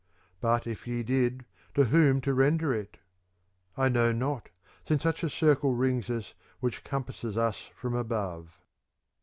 But, if ye did, to whom to render it? I know not, since such a circle rings us which compasses us from above.